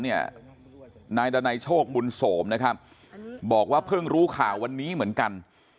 นายดนัยโชคบุญโสมนะครับบอกว่าเพิ่งรู้ข่าววันนี้เหมือนกัน